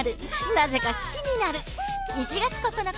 なぜか好きになる！